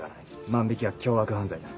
万引は凶悪犯罪だ。